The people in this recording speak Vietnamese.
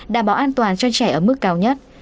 đảm bảo an toàn cho trẻ ở mức cao nhất